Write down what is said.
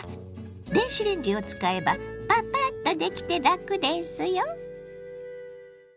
電子レンジを使えばパパッとできて楽ですよ。